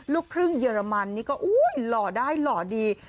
ลูกครึ่งเยอรมันนี่ก็หล่อได้หล่อดี